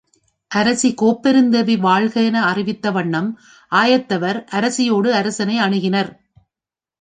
அரசி Kopperundevi வாழ்க என அறிவித்த வண்ணம் ஆயத்தவர் அரசி யோடு அரசனை அணுகினர்.